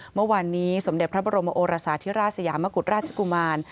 เมื่อวานนี้สมเด็จพระบรมโอรสาธิราชสยามกุฎราชกุมาร